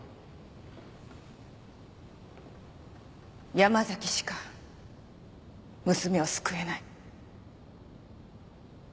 山崎しか娘を救えない。